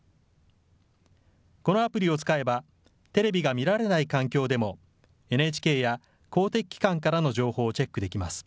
このアプリを使えば、テレビが見られない環境でも、ＮＨＫや公的機関からの情報をチェックできます。